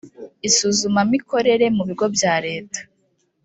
isuzumamikorere mu bigo bya leta